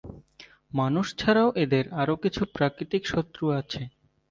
মানুষ ছাড়াও এদের আরো কিছু প্রাকৃতিক শত্রু আছে।